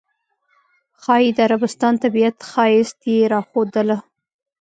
ښایي د عربستان طبیعت ښایست یې راښودله.